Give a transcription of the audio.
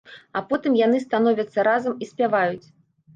А потым яны становяцца разам і спяваюць.